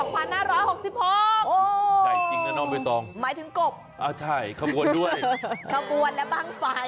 ใหญ่จริงนะน้องใบตองหมายถึงกบใช่ขบวนด้วยขบวนและบ้างไฟ